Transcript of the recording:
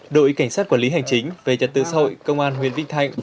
đội cảnh sát quản lý hành chính về trật tự xã hội công an huyện vĩnh thạnh